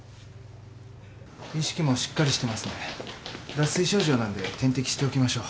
脱水症状なんで点滴しておきましょう。